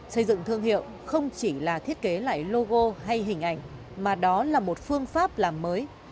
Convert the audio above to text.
xây dựng thương hiệu không chỉ là thiết kế lại logo hay hình ảnh mà đó là một phương pháp làm mới